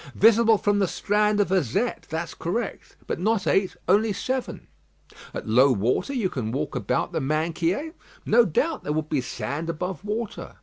"Visible from the strand of Azette; that's correct: but not eight; only seven." "At low water you can walk about the Minquiers?" "No doubt; there would be sand above water."